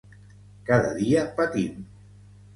Cada dia patim.